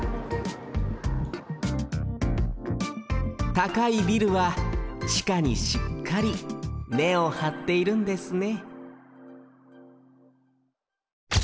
たかいビルはちかにしっかり根をはっているんですね